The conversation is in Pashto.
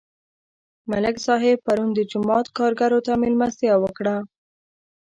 ملک صاحب پرون د جومات کارګرو ته مېلمستیا وکړه.